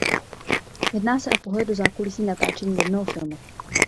Jedná se o pohled do zákulisí natáčení jednoho filmu.